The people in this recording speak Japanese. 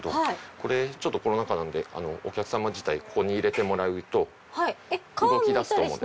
これちょっとコロナ禍なんでお客様自体ここに入れてもらうと動き出すと思うんで。